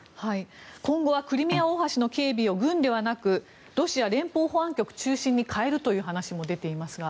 今後はクリミア大橋の警備を軍ではなくロシア連邦保安局中心に変えるという話も出ていますが。